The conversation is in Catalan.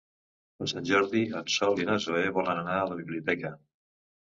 Per Sant Jordi en Sol i na Zoè volen anar a la biblioteca.